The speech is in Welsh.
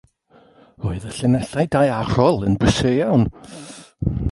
Roedd y llinellau daearol yn brysur iawn.